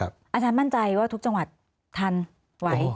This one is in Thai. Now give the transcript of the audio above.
อาจารย์มั่นใจว่าทุกจังหวัดทันไหว